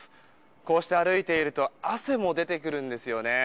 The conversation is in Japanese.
こうして歩いていると汗も出てくるんですよね。